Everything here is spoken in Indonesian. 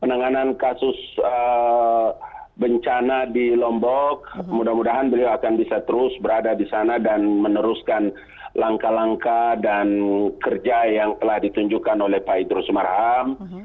penanganan kasus bencana di lombok mudah mudahan beliau akan bisa terus berada di sana dan meneruskan langkah langkah dan kerja yang telah ditunjukkan oleh pak idrus marham